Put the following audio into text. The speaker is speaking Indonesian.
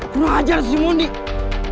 kapan sih mereka pulang